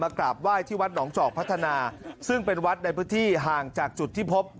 กราบไหว้ที่วัดหนองจอกพัฒนาซึ่งเป็นวัดในพื้นที่ห่างจากจุดที่พบ